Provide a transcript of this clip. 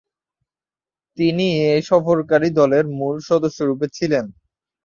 তিনি এ সফরকারী দলের মূল সদস্যরূপে ছিলেন।